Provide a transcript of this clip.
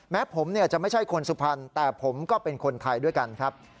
แม้ผมจะไม่ใช่คนสุพรรณแต่ผมก็เป็นคนไทยด้วยกันครับ